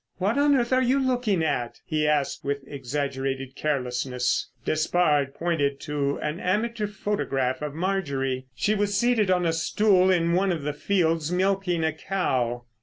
"What on earth are you looking at?" he asked with exaggerated carelessness. Despard pointed to an amateur photograph of Marjorie. She was seated on a stool in one of the fields milking a cow.